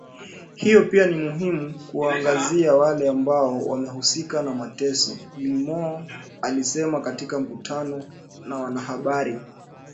Ni muhimu kukomesha tabia hiyo pia ni muhimu kuwaangazia wale ambao wamehusika na mateso Gilmore alisema katika mkutano na wanahabari